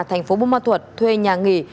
thành phố bù ma thuật thuê nhà nghỉ